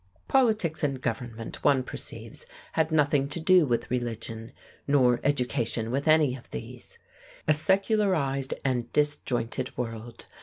Politics and government, one perceives, had nothing to do with religion, nor education with any of these. A secularized and disjointed world!